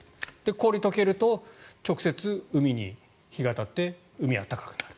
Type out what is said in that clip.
氷が解けると直接海に日が当たって海が暖かくなる。